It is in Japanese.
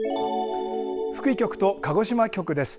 福井局と鹿児島局です。